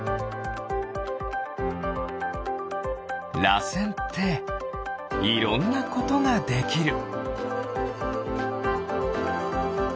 らせんっていろんなことができる。